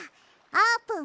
あーぷん！